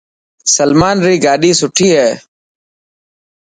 سلمان ري گاڏي سٺي هي.